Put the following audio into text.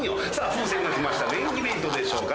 風船が来ましたメインイベントでしょうか